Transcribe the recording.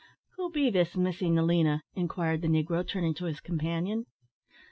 "Who be this Missey Nelina?" inquired the negro, turning to his companion.